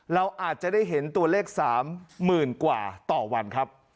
เราอาจจะได้เห็นตัวเลข๓๐๐๐กว่าต่อวันครับ